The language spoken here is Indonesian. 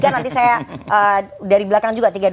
satu dua tiga nanti saya dari belakang juga tiga dua satu